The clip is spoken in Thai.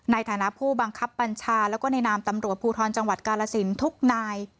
ในฐานะผู้บังคับบัญชาแล้วก็ในนามตำรวจภูทรจังหวัดกาลสินทุกนาย